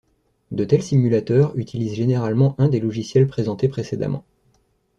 De tels simulateurs utilisent généralement un des logiciels présenté précédemment.